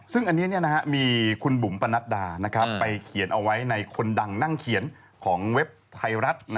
ซึ่งอันนี้มีคุณบุ๋มปนัดดาไปเขียนเอาไว้ในคนดังนั่งเขียนของเว็บไทยรัฐ